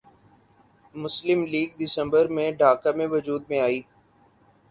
مسلم لیگ دسمبر میں ڈھاکہ میں وجود میں آئی